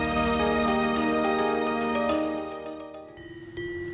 pertama di madiun fantastis